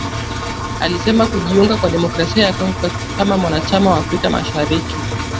alisema kujiunga kwa Demokrasia ya Kongo kama mwanachama wa Afrika mashariki